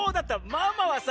ママはさ